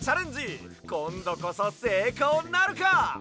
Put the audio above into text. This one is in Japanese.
こんどこそせいこうなるか？